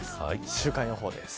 週間予報です。